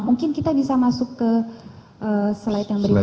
mungkin kita bisa masuk ke slide yang berikutnya